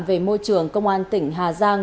về môi trường công an tỉnh hà giang